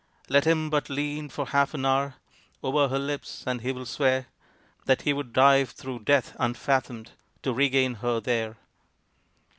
Let him but lean for half an hour Over her lips and he will swear That he would dive thro death unfathomed To regain her there.